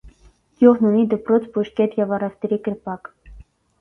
Գյուղն ունի դպրոց, բուժկետ և առևտրի կրպակ։